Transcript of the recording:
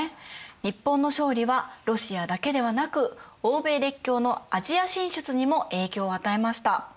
日本の勝利はロシアだけではなく欧米列強のアジア進出にも影響を与えました。